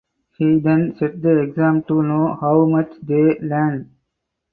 He then set the exam to know how much they learnt.